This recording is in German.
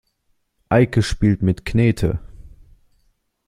Eike spielt mit Knete.